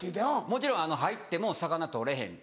もちろん入っても魚取れへん。